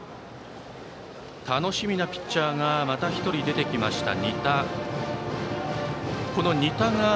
楽しみなピッチャーがまた１人、出てきました。